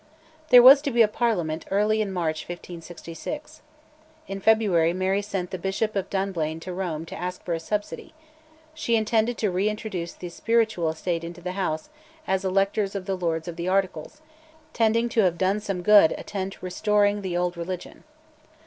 There was to be a Parliament early in March 1566. In February Mary sent the Bishop of Dunblane to Rome to ask for a subsidy; she intended to reintroduce the Spiritual Estate into the House as electors of the Lords of the Articles, "tending to have done some good anent the restoring of the old religion."